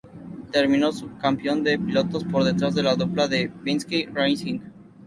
Terminó subcampeón de pilotos, por detrás de la dupla de Penske Racing.